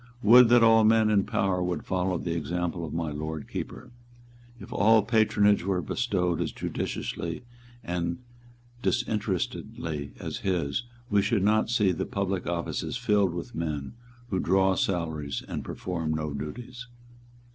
"Would that all men in power would follow the example of my Lord Keeper! If all patronage were bestowed as judiciously and disinterestedly as his, we should not see the public offices filled with men who draw salaries and perform no duties."